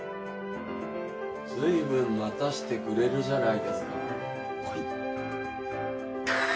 ずいぶん待たしてくれるじゃないですか。